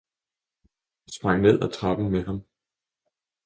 sprang ned ad trappen med ham.